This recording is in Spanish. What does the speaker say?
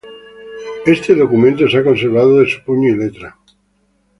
Este documento se ha conservado, de su puño y letra.